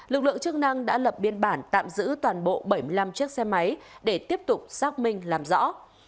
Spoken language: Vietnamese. lực lượng chức năng đã lập biên bản tạm giữ toàn bộ bảy mươi năm chiếc xe máy để tiếp tục xác minh làm rõ